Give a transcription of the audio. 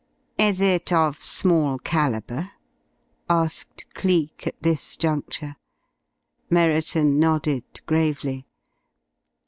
"Is it of small calibre?" asked Cleek, at this juncture. Merriton nodded gravely.